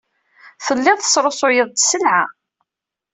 Telliḍ tesrusuyeḍ-d sselɛa.